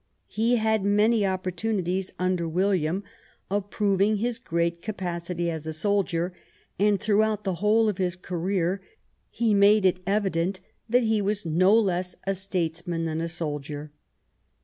He had many opportunities under William of 52 THOSE AROUND QUEEN ANNE proving his great capacity as a soldier^ and thronghont the whole of his career he made it evident that he was no less a statesman than a soldier.